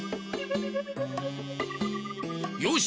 よし！